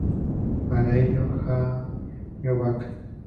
Para ello, Hollaback!